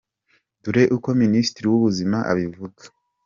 Dore uko Minisitiri w’Ubuzima abivuga :.